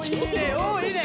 おっいいね！